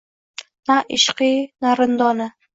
Na ishqiy, na rindona…